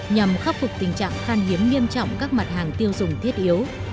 nhằm khắc phục tình trạng khan hiếm nghiêm trọng các mặt hàng tiêu dùng thiết yếu